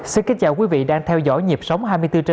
xin kính chào quý vị đang theo dõi nhịp sống hai trăm bốn mươi bảy